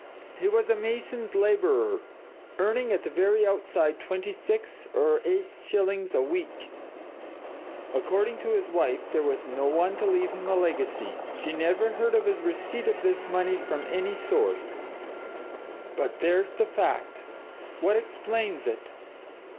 He was a mason's labourer, earning at the very outside twenty six or eight shillings a week. According to his wife, there was no one to leave him a legacy. She never heard of his receipt of this money from any source. But there's the fact! What explains it?